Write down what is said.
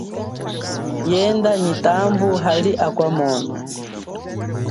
Yenda nyi tambu hali akwa mwono.